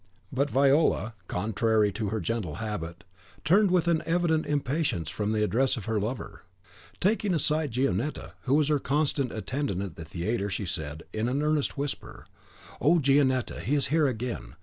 But Viola, contrary to her gentle habit, turned with an evident impatience from the address of her lover. Taking aside Gionetta, who was her constant attendant at the theatre, she said, in an earnest whisper, "Oh, Gionetta! He is here again!